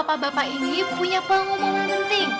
anak anak bapak bapak ini punya pengumuman penting